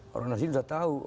orang orang di sini sudah tahu